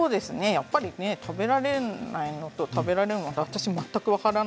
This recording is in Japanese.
やっぱりね食べられないのと食べられるの私全く分からないのでちゃんと知識のね